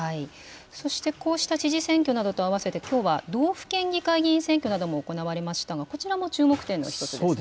そして、こうした知事選挙などと合わせて、きょうは道府県議会議員選挙なども行われましたが、こちらも注目点の一つですね。